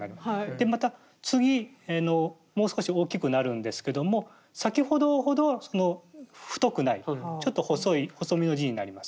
でまた次もう少し大きくなるんですけども先ほどほどは太くないちょっと細めの字になります。